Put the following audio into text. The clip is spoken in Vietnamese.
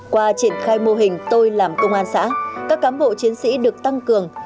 qua triển khai mô hình tôi làm công an xã các cám bộ chiến sĩ được tăng cường